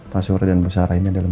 pak surya dan bu sarah ini adalah